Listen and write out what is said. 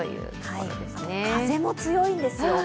あと風も強いんですよ。